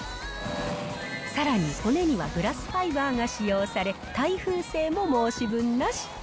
さらに骨にはグラスファイバーが使用され、耐風性も申し分なし。